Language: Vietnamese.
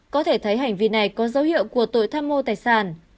có thể thấy hành vi này có dấu hiệu của tội tham mô tài sản